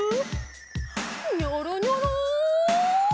ニョロニョロ。